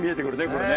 これね。